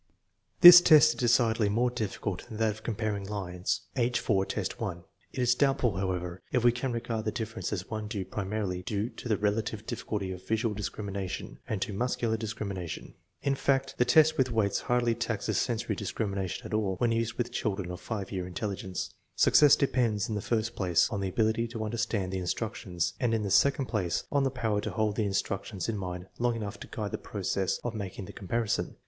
This test is decidedly more difficult than that of comparing lines (IV, 1). It is doubtful, however, if we can regard the difference as one due primarily to the rela tive difficulty of visual discrimination and muscular dis 1 Eor discussion of "stereotypy" sec p. 03. TEST NO. V, 2 163 crimination. In fact, the test with weights hardly taxes sensory discrimination at all when used with children of 5 year intelligence. Success depends, in the first place, on the ability to understand the instructions; and in the second place, on the power to hold the instructions in mind long enough to guide the process of making the comparison.